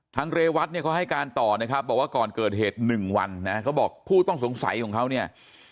ทั้งเรวัติเขาให้การต่อบอกว่าก่อนเกิดเหตุ๑วันเขาบอกผู้ต้องสงสัยของเขาเนี่ย